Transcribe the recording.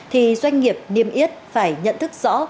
thì doanh nghiệp niêm yết phải nhận thức rõ